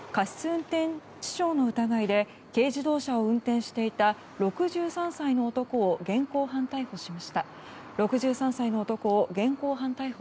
運転致傷の疑いで軽自動車を運転していた６３歳の男を現行犯逮捕しました。